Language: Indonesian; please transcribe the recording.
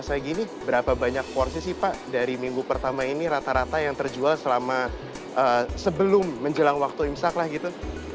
saya gini berapa banyak porsi sih pak dari minggu pertama ini rata rata yang terjual selama sebelum menjelang waktu imsak lah gitu